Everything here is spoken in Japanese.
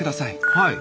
はい。